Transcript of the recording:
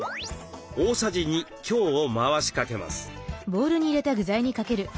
大さじ２強を回しかけます。